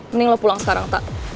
mending lo pulang sekarang tak